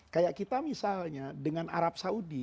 kayak kita misalnya dengan arab saudi